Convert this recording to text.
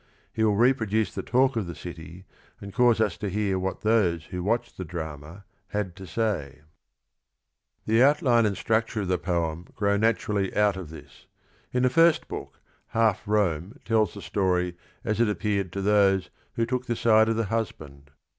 He will reproduce the talk of the city and cause us to hear what those who watched the drama had to say. METHOD AND THE SPIRIT 23 The outline and structure of the poem grow naturally out of this. In th e first book H jjf Rome tells the story as it apr °nr?rl tn tn"i" wh& Jook the side of" th e Tiusban d.